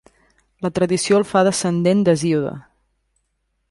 La tradició el fa descendent d'Hesíode.